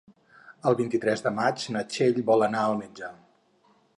El vint-i-tres de maig na Txell vol anar al metge.